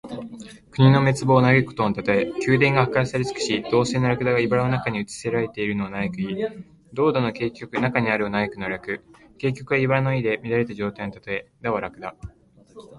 国の滅亡を嘆くことのたとえ。宮殿が破壊され尽くし、銅製のらくだがいばらの中にうち捨てられているのを嘆く意。「銅駝の荊棘中に在るを歎く」の略。「荊棘」はいばらの意で、乱れた状態のたとえ。「駝」はらくだ。